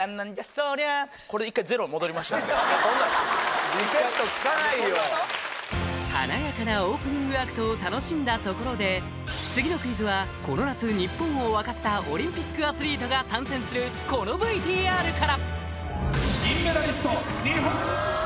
そりゃ・リセットきかないよ華やかなオープニングアクトを楽しんだところで次のクイズはこの夏日本を沸かせたオリンピックアスリートが参戦するこのＶＴＲから銀メダリスト日本！